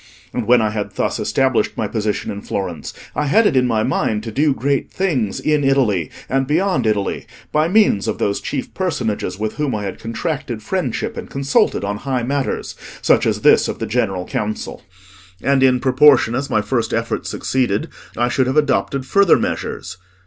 And when I had thus established my position in Florence, I had it in my mind to do great things in Italy and beyond Italy, by means of those chief personages with whom I had contracted friendship and consulted on high matters, such as this of the General Council. And in proportion as my first efforts succeeded, I should have adopted further measures.